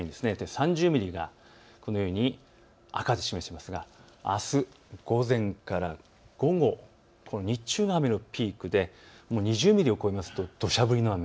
３０ミリがこのように赤で示していますがあす午前から午後、日中が雨のピークで２０ミリを超えますとどしゃ降りの雨。